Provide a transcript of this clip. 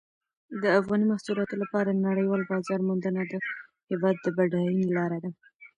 د افغاني محصولاتو لپاره نړیوال بازار موندنه د هېواد د بډاینې لاره ده.